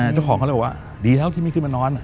เจ้าของเขาเลยบอกว่าดีแล้วที่ไม่ขึ้นมานอน